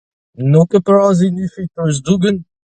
N'on ket petra siñifi treuzdougen.